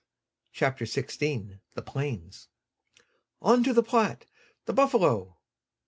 CHAPTER XVI THE PLAINS "On to the Platte! The buffalo!"